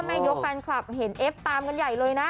ยกแฟนคลับเห็นเอฟตามกันใหญ่เลยนะ